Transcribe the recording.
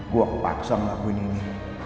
gua paksa ngelakuin ini